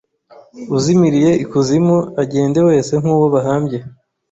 uzimiriye ikuzimu agende wese nk’uwo bahambye